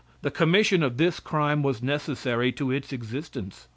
The commission of this crime was necessary to its existence.